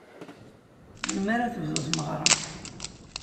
Melmi ara tebdu tmeɣra?